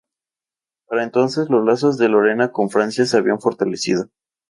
Para entonces, los lazos de Lorena con Francia se habían fortalecido.